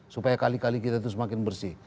supaya kali kali kita itu semakin bersih